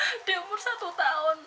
adik umur satu tahun